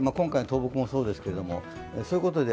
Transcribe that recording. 今回、倒木もそうですけど。